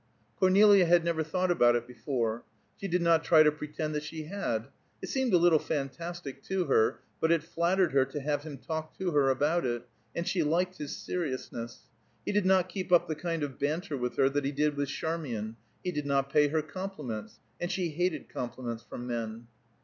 Cornelia had never thought about it before; she did not try to pretend that she had; it seemed a little fantastic to her, but it flattered her to have him talk to her about it, and she liked his seriousness. He did not keep up the kind of banter with her that he did with Charmian; he did not pay her compliments, and she hated compliments from men.